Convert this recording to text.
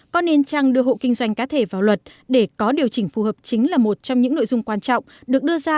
có nên chăng đưa hộ kinh doanh cá thể vào luật để có điều chỉnh phù hợp chính là một trong những nội dung quan trọng được đưa ra